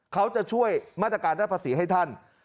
เขาจะช่วยมาตรการด้านภาษีให้ท่าน